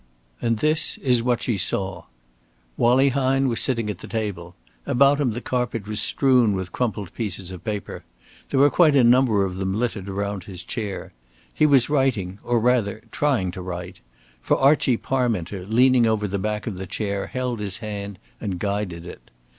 And this is what she saw: Wallie Hine was sitting at the table. About him the carpet was strewn with crumpled pieces of paper. There was quite a number of them littered around his chair. He was writing, or rather, trying to write. For Archie Parminter leaning over the back of the chair held his hand and guided it.